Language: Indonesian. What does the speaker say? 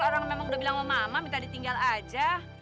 orang memang udah bilang sama mama minta ditinggal aja